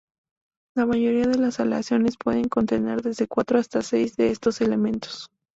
La mayoría de las aleaciones pueden contener desde cuatro hasta seis de estos elementos.